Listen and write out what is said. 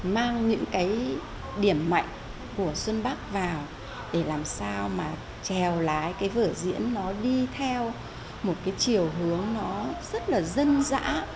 mang những cái điểm mạnh của xuân bắc vào để làm sao mà trèo lái cái vở diễn nó đi theo một cái chiều hướng nó rất là dân dã